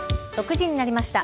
６時になりました。